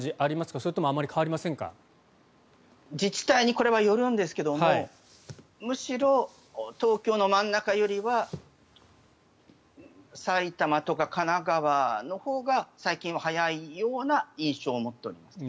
これは自治体によるんですがむしろ東京の真ん中よりは埼玉とか神奈川のほうが最近は早いような印象を持っております。